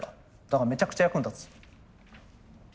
だからめちゃくちゃ役に立つ。